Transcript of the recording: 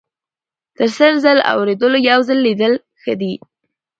- تر سل ځل اوریدلو یو ځل لیدل ښه دي.